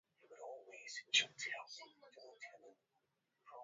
lakini kutokana na kuendelea kwa teknolojia hivi sasa